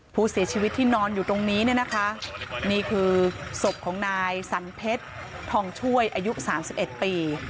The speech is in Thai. ผู้เสียชีวิตที่นอนอยู่ตรงนี้เนี่ยนะคะนี่คือศพของนายสันเพชรทองช่วยอายุ๓๑ปี